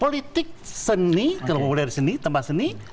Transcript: politik seni kalau boleh dari seni tempat seni